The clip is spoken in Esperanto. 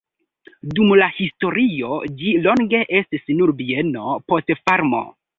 Dum la historio ĝi longe estis nur bieno, poste farmo.